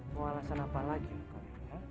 mau alasan apa lagi nek oren